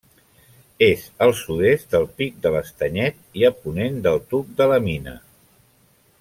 És al sud-est del Pic de l'Estanyet i a ponent del Tuc de la Mina.